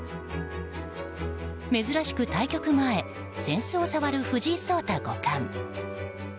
珍しく対局前扇子を触る藤井聡太五冠。